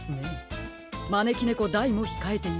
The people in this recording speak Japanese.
まねきねこ・大もひかえていますし。